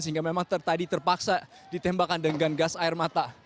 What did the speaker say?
sehingga memang tadi terpaksa ditembakkan dengan gas air mata